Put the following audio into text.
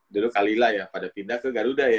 dulu kalila ya pada pindah ke garuda ya